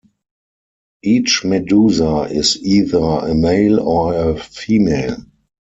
Each medusa is either a male or a female.